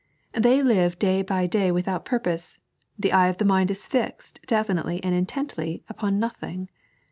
They live day by day without purpose; the eye of the mind ie fixed definitely and intently upon nothing.